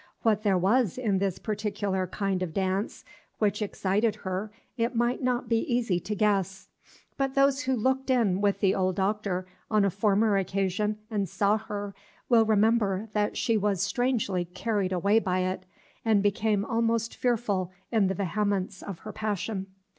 What there was in this particular kind of dance which excited her it might not be easy to guess; but those who looked in with the old Doctor, on a former occasion, and saw her, will remember that she was strangely carried away by it, and became almost fearful in the vehemence of her passion.